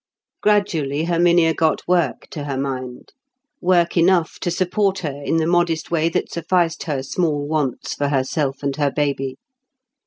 Gradually Herminia got work to her mind; work enough to support her in the modest way that sufficed her small wants for herself and her baby.